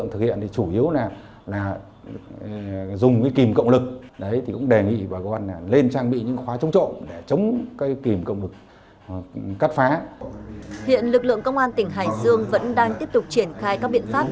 hiện lực lượng công an tỉnh hải dương vẫn đang tiếp tục triển khai các biện pháp